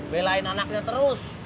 belain anaknya terus